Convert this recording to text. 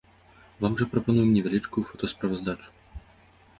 Вам жа прапануем невялічкую фотасправаздачу.